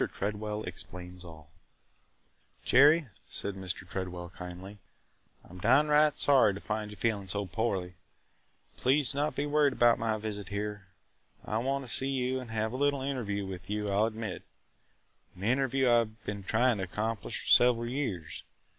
TREDWELL EXPLAINS ALL "JERRY," said Mr. Tredwell kindly, "I 'm downright sorry to find you feeling so poorly. Please do not be worried about my visit here. I want to see you and have a little interview with you, I 'll admit – an interview I 've been trying to accomplish for several years.